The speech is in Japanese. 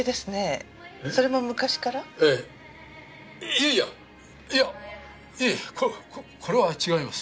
いやいやいやいやいやこれは違います。